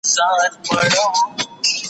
زه اوږده وخت د سبا لپاره د ليکلو تمرين کوم!!